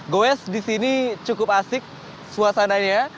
goes di sini cukup asik suasananya